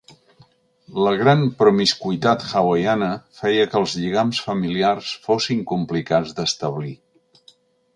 La gran promiscuïtat hawaiana feia que els lligams familiars fossin complicats d'establir.